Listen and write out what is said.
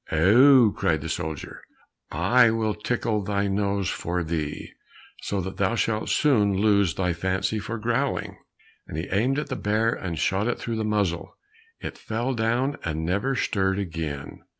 "Oho!" cried the soldier, "I will tickle thy nose for thee, so that thou shalt soon lose thy fancy for growling," and he aimed at the bear and shot it through the muzzle; it fell down and never stirred again.